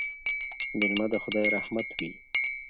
مېلمه د خدای رحمت وي